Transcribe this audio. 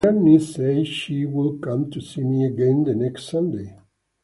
My granny said she would come to see me again the next Sunday.